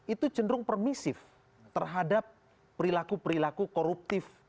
itu cenderung permisif terhadap perilaku perilaku koruptif